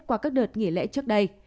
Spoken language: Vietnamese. qua các đợt nghỉ lễ trước đây